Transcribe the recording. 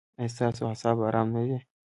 ایا ستاسو اعصاب ارام نه دي؟